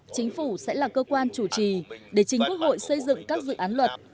chính phủ sẽ là cơ quan chủ trì để chính quốc hội xây dựng các dự án luật